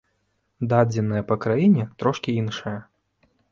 Дадзеныя па краіне трошкі іншыя.